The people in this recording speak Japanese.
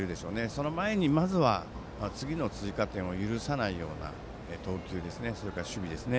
その前に、まずは次の追加点を許さないような投球や守備ですね。